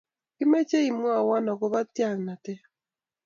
Kemeche imwowon agoba tyaktaenatet